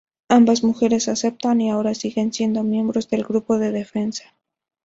Ambas mujeres aceptaron y ahora siguen siendo miembros del grupo de defensa.